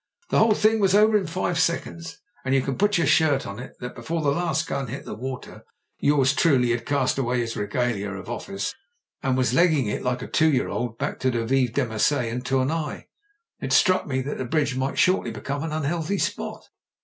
The whole thing was over in five seconds ; and you can put your shirt on it that before the last gun hit the water yours truly had cast away his regalia of office and was legging it like a two year old back to the veuve Demassiet and Toumai. It struck me that bridge might shortly become an un healthy spot."